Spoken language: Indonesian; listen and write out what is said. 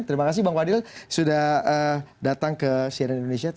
terima kasih bang fadil sudah datang ke cnn indonesia